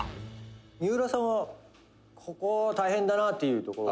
「三浦さんは、ここは大変だなっていうところは？」